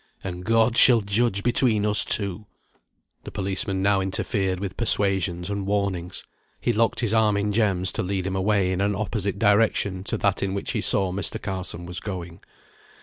And God shall judge between us two." The policeman now interfered with persuasions and warnings. He locked his arm in Jem's to lead him away in an opposite direction to that in which he saw Mr. Carson was going.